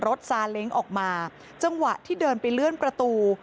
ซาเล้งออกมาจังหวะที่เดินไปเลื่อนประตู